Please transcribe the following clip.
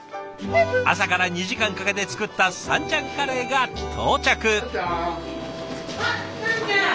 朝から２時間かけて作ったさんちゃんカレーが到着。